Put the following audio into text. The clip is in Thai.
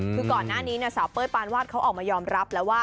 คือก่อนหน้านี้สาวเป้ยปานวาดเขาออกมายอมรับแล้วว่า